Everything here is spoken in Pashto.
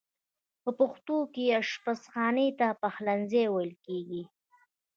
په پښتو کې آشپز خانې ته پخلنځی ویل کیږی.